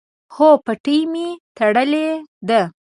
هو، پټۍ می تړلې ده